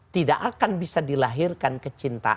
karena tidak akan bisa dilahirkan kecintaannya